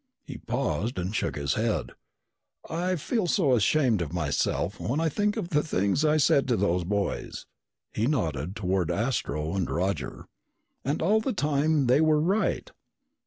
He paused and shook his head. "I feel so ashamed of myself when I think of the things I said to those boys." He nodded toward Astro and Roger. "And all the time they were right."